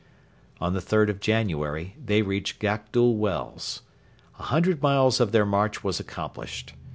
On the 3rd of January they reached Gakdul Wells. A hundred miles of their march was accomplished.